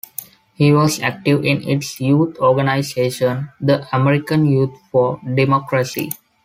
He was active in its youth organization the American Youth for Democracy.